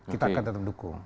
kita tetap dukung